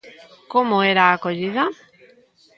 Como era a acollida?